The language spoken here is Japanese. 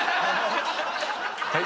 はい？